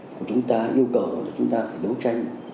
của chúng ta yêu cầu là chúng ta phải đấu tranh